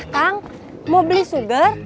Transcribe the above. kang mau beli sugar